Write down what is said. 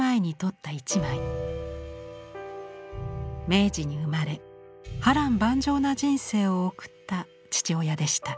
明治に生まれ波乱万丈な人生を送った父親でした。